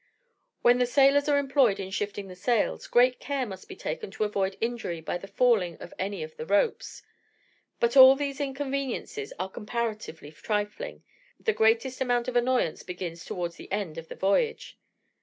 When the sailors are employed in shifting the sails, great care must be taken to avoid injury by the falling of any of the ropes. But all these inconveniences are comparatively trifling; the greatest amount of annoyance begins towards the end of the voyage.